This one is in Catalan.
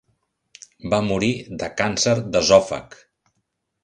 Va morir de càncer d'esòfag.